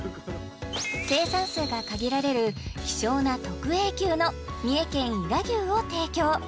生産数が限られる希少な特Ａ級の三重県「伊賀牛」を提供